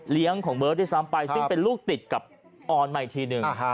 ของเบิร์ตด้วยซ้ำไปซึ่งเป็นลูกติดกับออนมาอีกทีหนึ่ง